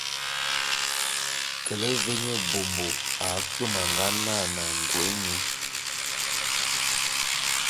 Kele ve nye mbômbo akpwem a nga nane angô’é nyô.